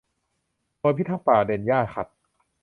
หน่วยพิทักษ์ป่าเด่นหญ้าขัด